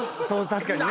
確かにね。